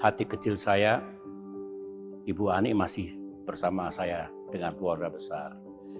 hati kecil saya ibu ani masih bersama saya dengan keluarga besar